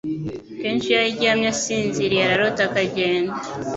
Kenshi iyo aryamye asinziriye ararota akagenda